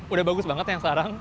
udah bagus banget yang sekarang